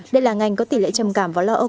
đây là ngành có tỷ lệ trầm cảm và lo âu